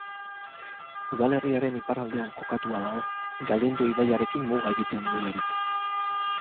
Udalerriaren iparraldean kokatua dago, Galindo ibaiarekin muga egiten duelarik.